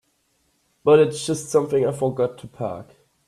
But it's just something I forgot to pack.